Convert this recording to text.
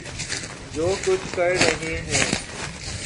جو کچھ کر رہے ہیں۔